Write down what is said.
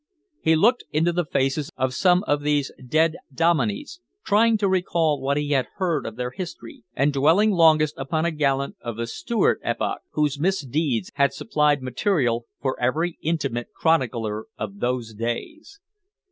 He looked into the faces of some of these dead Domineys, trying to recall what he had heard of their history, and dwelling longest upon a gallant of the Stuart epoch, whose misdeeds had supplied material for every intimate chronicler of those days.